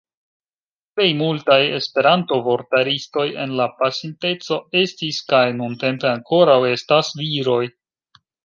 Plej multaj Esperanto-vortaristoj en la pasinteco estis kaj nuntempe ankoraŭ estas viroj.